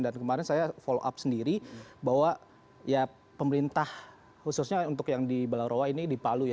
dan kemarin saya follow up sendiri bahwa ya pemerintah khususnya untuk yang di balarowa ini di palu ya